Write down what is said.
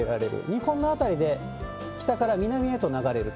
日本の辺りで北から南へと流れる。